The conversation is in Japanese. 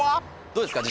どうですか？